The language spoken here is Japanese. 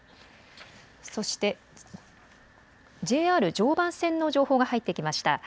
そして、ＪＲ常磐線の情報が入ってきました。